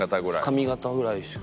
髪形ぐらいしか。